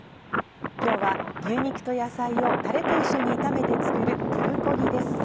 今日は牛肉と野菜をタレと一緒に炒めて作るプルコギです。